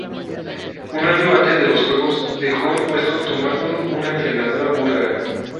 Un año antes de los Juegos dejó el puesto, tomándolo una entrenadora búlgara.